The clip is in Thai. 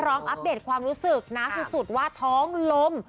อัปเดตความรู้สึกนะสุดว่าท้องลม